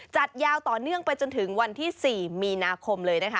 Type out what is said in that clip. จัดยาวต่อเนื่องไปจนถึงวันที่๔มีนาคมเลยนะคะ